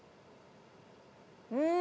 うん！